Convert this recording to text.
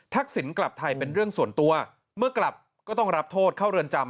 สินกลับไทยเป็นเรื่องส่วนตัวเมื่อกลับก็ต้องรับโทษเข้าเรือนจำ